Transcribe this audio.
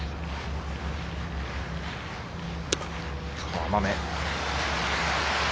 甘め。